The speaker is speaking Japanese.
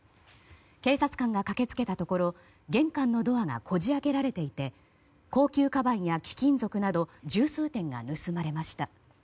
警察官が駆け付けたところ玄関のドアがこじ開けられていて高級かばんや貴金属など十数点が盗まれました。